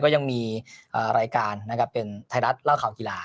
ก็ยังมีรายการเป็นไทยรัสล่าเขากีฬา